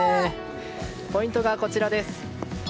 ポイントがこちらです。